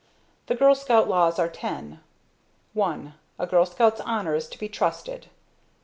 The Girl Scouts Laws are ten: I A Girl Scout's Honor is to be trusted.